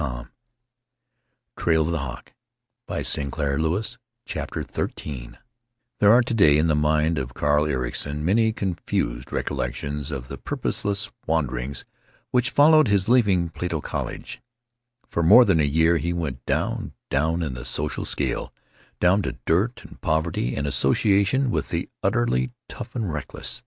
Part II THE ADVENTURE OF ADVENTURING CHAPTER XIII here are to day in the mind of Carl Ericson many confused recollections of the purposeless wanderings which followed his leaving Plato College. For more than a year he went down, down in the social scale, down to dirt and poverty and association with the utterly tough and reckless.